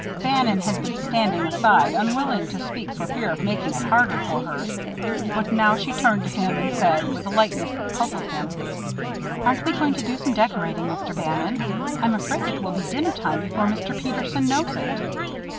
Bannon had been standing aside, unwilling to speak for fear of making it harder for her. But now she turned to him and said, with a lightness that puzzled him: "Aren't we going to do some decorating, Mr. Bannon? I'm afraid it will be dinner time before Mr. Peterson knows it."